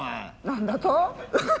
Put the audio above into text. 何だと！